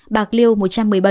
bạc liêu một trăm một mươi bảy